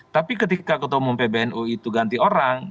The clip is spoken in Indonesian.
tapi ketika ketua umum pbnu itu ganti orang